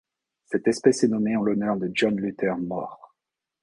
Cette espèce est nommée en l'honneur de John Luther Mohr.